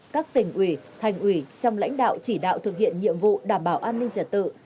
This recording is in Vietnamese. các tỉnh ủy thành ủy trong lãnh đạo chỉ đạo thực hiện nhiệm vụ đảm bảo an ninh trật tự